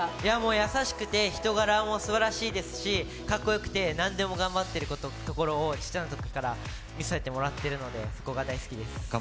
優しくて人柄もすばらしいですし、かっこよくて何でも頑張ってるところをちっちゃなところから見させてもらってるのでそこが大好きです。